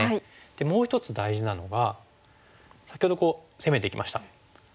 もう一つ大事なのが先ほど攻めていきました。